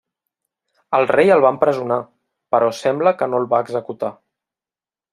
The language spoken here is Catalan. El rei el va empresonar, però sembla que no el va executar.